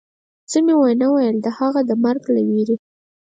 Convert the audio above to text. څه مې و نه ویل، هغه د مرګ له وېرې.